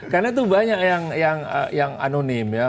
karena itu banyak yang anonim ya